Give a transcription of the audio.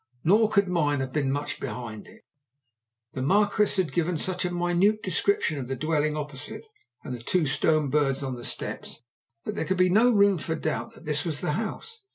Nor could mine have been much behind it. The Marquis had given such a minute description of the dwelling opposite and the two stone birds on the steps, that there could be no room for doubt that this was the house.